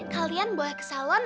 kalian boleh ke salon